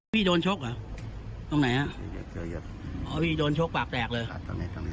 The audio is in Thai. พี่โดนชกเหรอตรงไหนฮะอ๋อพี่โดนชกปากแตกเลยค่ะตรงไหนตรงนี้